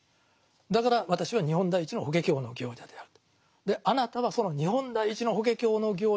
だから私は「日本第一の法華経の行者」であると。